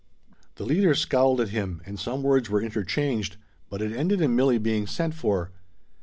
The leader scowled at him, and some words were interchanged, but it ended in Milli being sent for.